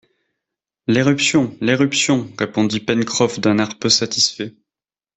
L’éruption! l’éruption ! répondit Pencroff d’un air peu satisfait.